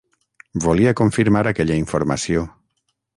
Volia confirmar aquella informació.